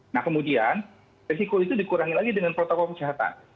nah kemudian resiko itu dikurangi lagi dengan protokol kesehatan